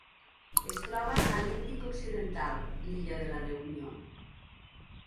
Es troba a l'Índic occidental: l'illa de la Reunió.